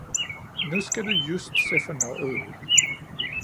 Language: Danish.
Nu skal du just se fornøjet ud